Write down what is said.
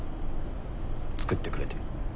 作ってくれて。